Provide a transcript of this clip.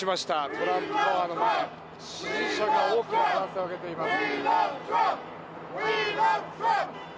トランプタワーの前では支持者が多くの歓声を上げています。